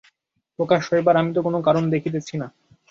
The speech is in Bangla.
প্রকাশ হইবার আমি তো কোন কারণ দেখিতেছি না।